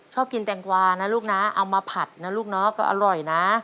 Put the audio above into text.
ชอบกินแตงกวานะลูกนะเอามาผัดนะลูกเนาะก็อร่อยนะ